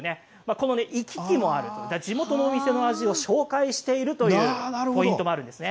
この行き来もあると地元の店の味を紹介しているというポイントもあるんですね。